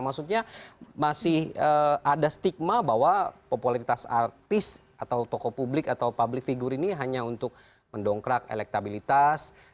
maksudnya masih ada stigma bahwa popularitas artis atau tokoh publik atau public figure ini hanya untuk mendongkrak elektabilitas